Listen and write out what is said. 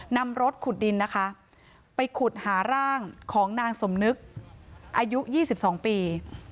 นำรถขุดดินนะคะไปขุดหาร่างของนางสมนึกอายุ๒๒ปี